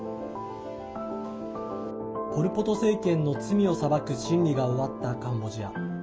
ポル・ポト政権の罪を裁く審理が終わったカンボジア。